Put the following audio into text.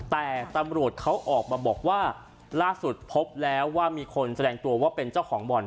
แต่ตำรวจเขาออกมาบอกว่าล่าสุดพบแล้วว่ามีคนแสดงตัวว่าเป็นเจ้าของบ่อน